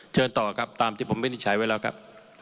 เชิญต่อครับตามที่ผมไม่ได้ใช้ไว้แล้วครับ